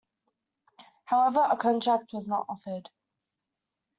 However, a contract was not offered.